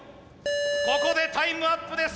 ここでタイムアップです。